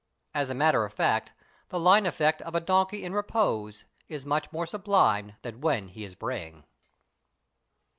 As a matter of fact, the line effect of a donkey in repose is much more sublime than when he is braying.